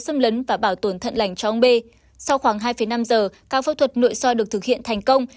xâm lấn và bảo tồn thận lành cho ông b sau khoảng hai năm giờ ca phẫu thuật nội soi được thực hiện thành công